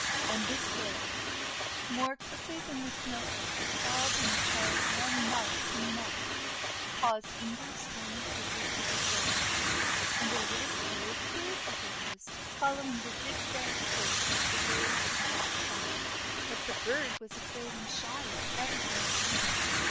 And this ray, more quickly than the Snow GIRL WHO TROD ON A LOAF 409 flake that falls on a child's warm mouth can melt, caused Inger's stony figure to dissolve, and a little grey bird arose, following the zigzag course of the ray to the earth above. But the bird was afraid and shy of everything around it.